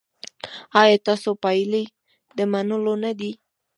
ایا ستاسو پایلې د منلو نه دي؟